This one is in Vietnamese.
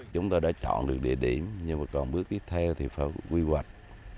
chúng tôi đã chọn được địa điểm nhưng mà còn bước tiếp theo thì phải quy hoạch